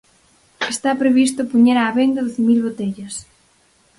Está previsto poñer á venda doce mil botellas.